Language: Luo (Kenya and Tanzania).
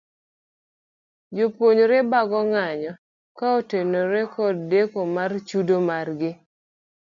Jopuonjre bago ng'anyo ka otenore kod deko mar chudo mar gi.